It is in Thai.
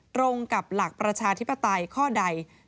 ตรงกับหลักประชาธิปไตยข้อใด